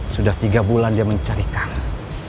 sudah tiga bulan dia mencari kanan